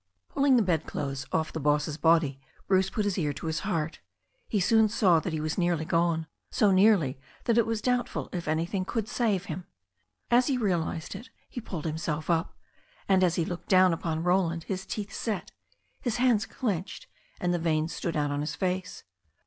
Pulling the bed clothes off the boss's body, Bruce put his ear to his heart. He soon saw that he was nearly gone, so nearly that it was doubtful if anything could save him. As he realized it he pulled himself up, and as he looked down upon Roland his teeth set, his hands clenched, and THE STORY OF A NEW ZEALAND RIVER 209 the veins stood out on his face.